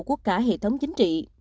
trong hệ thống chính trị